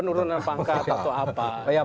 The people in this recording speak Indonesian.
penurunan pangkat atau apa